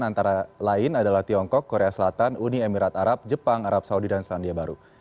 antara lain adalah tiongkok korea selatan uni emirat arab jepang arab saudi dan selandia baru